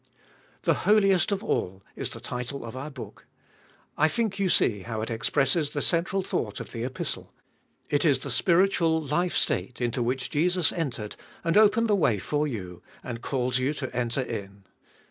2. The Holiest of All is the title of our booh. I think you see how it expresses the central thought of the Epistle. It is the spiritual life state into which Jesus entered, and opened the way for you, and calls you to enter in.